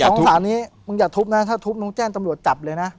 เขาบอกสองสารเนี่ยมึงอย่าทุบนะถ้าทุบน้องแจ้งจับเลยนะ